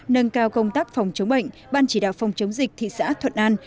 nâng cao công tác phòng chống bệnh ban chỉ đạo phòng chống dịch thị xã thuận an